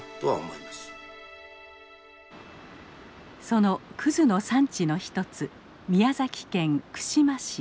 その葛の産地の一つ宮崎県串間市。